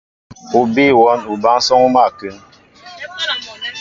O bíy wɔ́n obánsɔ́ŋ ó mál a kún.